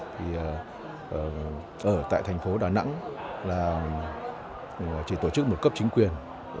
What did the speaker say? thì ở tại thành phố đà nẵng là chỉ tổ chức một cấp chính quyền